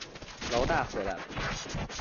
牢大回来了